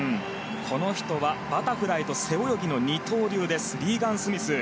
この人はバタフライと背泳ぎの二刀流ですリーガン・スミス。